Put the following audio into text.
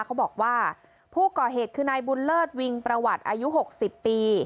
เขาบอกว่าผู้ก่อเหตุคือนายบุญเลิศวิงประวัติอายุ๖๐ปี